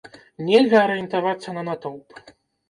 Нельга арыентавацца на натоўп.